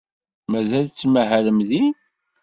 Mazal tettmahalem din?